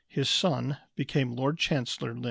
His son became Lord Chancellor Lyndhurst.